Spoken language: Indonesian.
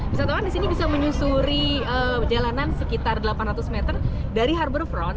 wisatawan di sini bisa menyusuri jalanan sekitar delapan ratus meter dari harborfront